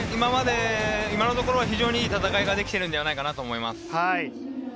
今のところは非常にいい戦いができてるんじゃないかなと思います。